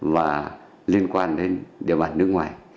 và liên quan đến địa bàn nước ngoài